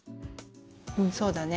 うんそうだね。